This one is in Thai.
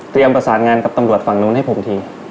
ประสานงานกับตำรวจฝั่งนู้นให้ผมที